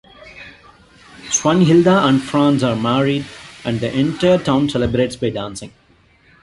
Swanhilda and Franz are married and the entire town celebrates by dancing.